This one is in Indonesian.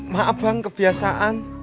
maaf bang kebiasaan